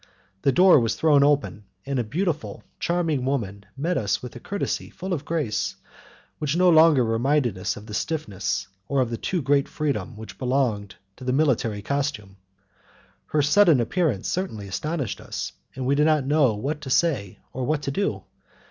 The door was thrown open, and a beautiful, charming woman met us with a courtesy full of grace, which no longer reminded us of the stiffness or of the too great freedom which belong to the military costume. Her sudden appearance certainly astonished us, and we did not know what to say or what to do.